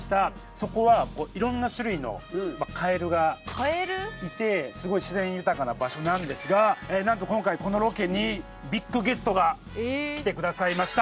そこはいろんな種類のカエルがいてすごい自然豊かな場所なんですがなんと今回このロケにビッグゲストが来てくださいました。